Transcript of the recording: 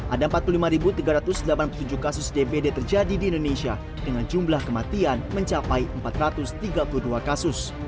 ada empat puluh lima tiga ratus delapan puluh tujuh kasus dbd terjadi di indonesia dengan jumlah kematian mencapai empat ratus tiga puluh dua kasus